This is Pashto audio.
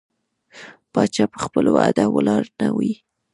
پاچا په خپل وعدو ولاړ نه وي.